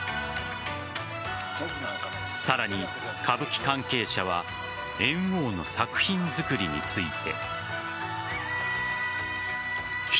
さらに歌舞伎関係者は猿翁の作品づくりについて。